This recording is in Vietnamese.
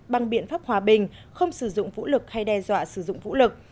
bằng biện pháp hòa bình không sử dụng vũ lực hay đe dọa sử dụng vũ lực